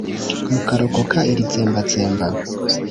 Mukarokoka iri tsembatsemba